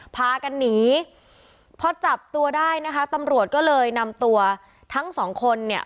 พากันหนีพอจับตัวได้นะคะตำรวจก็เลยนำตัวทั้งสองคนเนี่ย